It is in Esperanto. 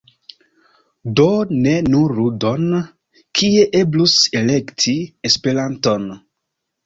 Do ne nur ludon, kie eblus “elekti" Esperanton.